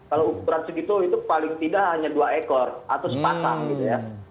kalau ukuran segitu itu paling tidak hanya dua ekor atau sepasang gitu ya